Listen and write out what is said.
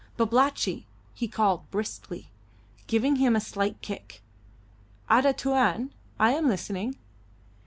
"Babalatchi," he called briskly, giving him a slight kick. "Ada Tuan! I am listening."